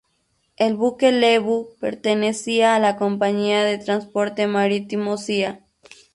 El buque "Lebu", pertenecía a la compañía de transporte marítimo Cía.